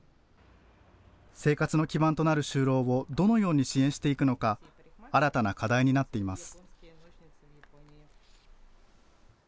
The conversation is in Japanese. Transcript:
生活の基盤となる就労をどのように支援していくのか、新たな課題になっています。